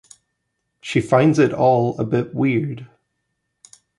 She finds it all a bit weird.